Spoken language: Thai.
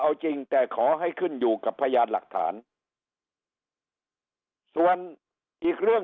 เอาจริงแต่ขอให้ขึ้นอยู่กับพยานหลักฐานส่วนอีกเรื่อง